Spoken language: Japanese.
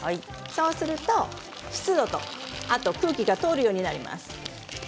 そうすると湿度と空気が通るようになります。